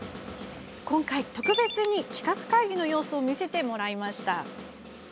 今回、特別に企画会議の様子を見せていただきました。